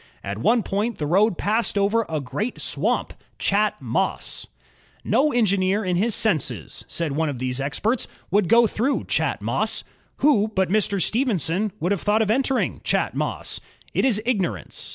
At one point the road passed over a great swamp, Chat Moss. "No engineer 68 INVENTIONS OF STEAM AND ELECTRIC POWER in his senses," said one of these experts, "would go through Chat Moss. Who but Mr. Stephenson would have thought of entering Chat Moss? It is ignorance.